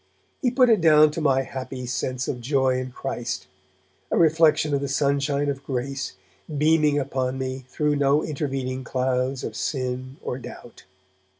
He put it down to my happy sense of joy in Christ, a reflection of the sunshine of grace beaming upon me through no intervening clouds of sin or doubt.